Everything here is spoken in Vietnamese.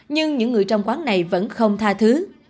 nhưng những người trong quán này vẫn không tha thứ